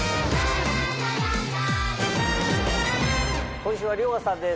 今週は遼河さんです